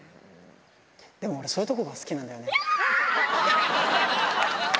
でも俺、そういうところが好きなんだよね。